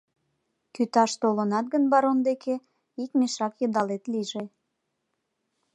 Кӱташ толынат гын барон деке, ик мешак йыдалет лийже.